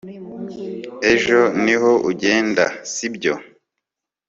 Ejo niho ugenda sibyo